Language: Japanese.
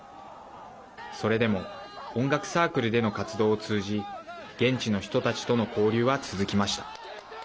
それでも音楽サークルでの活動を通じ現地の人たちとの交流は続きました。